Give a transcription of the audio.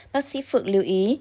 bác sĩ phượng lưu ý